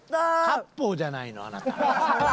割烹じゃないのあなた。